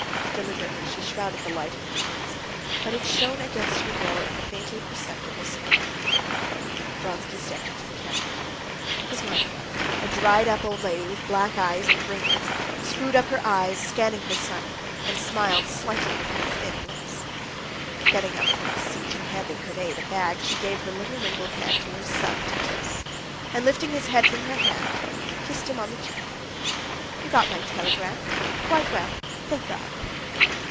Deliberately she shrouded the light in her eyes, but it shone against her will in the faintly perceptible smile. Vronsky stepped into the carriage. His mother, a dried up old lady with black eyes and ringlets, screwed up her eyes, scanning her son, and smiled slightly with her thin lips. Getting up from the seat and handing her maid a bag, she gave her little wrinkled hand to her son to kiss, and lifting his head from her hand, kissed him on the cheek. "You got my telegram? Quite well? Thank God."